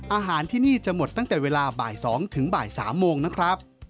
อาหารที่นี่จะหมดตั้งแต่เวลาบ่าย๒ถึงบ่าย๓โมงนะครับ